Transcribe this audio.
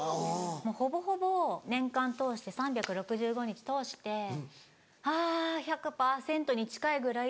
もうほぼほぼ年間通して３６５日通してあ１００％に近いぐらい。